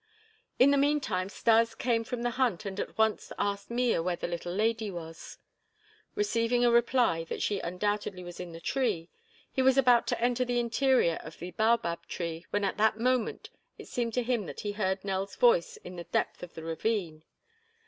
In the meantime Stas came from the hunt and at once asked Mea where the little lady was. Receiving a reply that she undoubtedly was in the tree, he was about to enter the interior of the baobab tree when at that moment it seemed to him that he heard Nell's voice in the depth of the ravine.